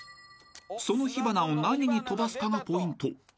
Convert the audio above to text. ［その火花を何に飛ばすかがポイント］